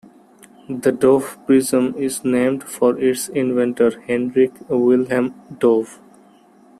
The Dove prism is named for its inventor, Heinrich Wilhelm Dove.